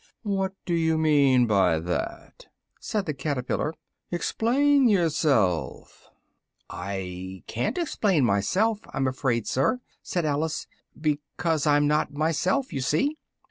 "What do you mean by that?" said the caterpillar, "explain yourself!" "I ca'n't explain myself, I'm afraid, sir," said Alice, "because I'm not myself, you see."